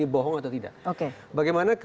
bohong atau tidak